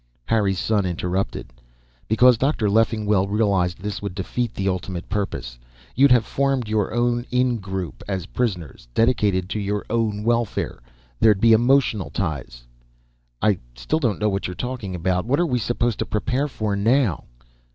Harry's son interrupted. "Because Dr. Leffingwell realized this would defeat the ultimate purpose. You'd have formed your own in group, as prisoners, dedicated to your own welfare. There'd be emotional ties " "I still don't know what you're talking about. What are we supposed to prepare for now?"